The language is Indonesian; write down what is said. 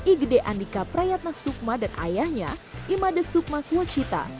igede andika prayatna sukma dan ayahnya imades sukma swachita